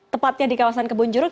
tepatnya di kawasan kebenjuruk